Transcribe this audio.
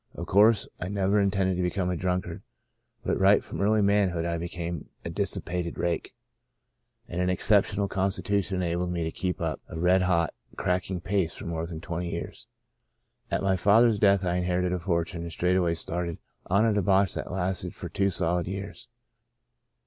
Of course I never intended to become a drunkard but right from early manhood I became a dissi pated rake. And an exceptional constitution enabled me to keep up a red hot, cracking pace for more than twenty years. At my father's death I inherited a fortune and straightway started on a debauch that lasted for two solid years.